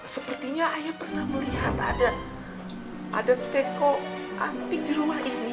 sepertinya ayah pernah melihat ada teko antik di rumah ini